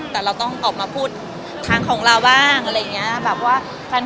แต่เราต้องออกมาพูดทางของเราบ้างอะไรอย่างนี้